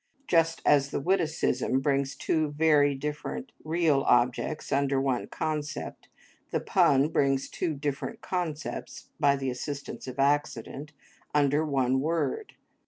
Just as the witticism brings two very different real objects under one concept, the pun brings two different concepts, by the assistance of accident, under one word.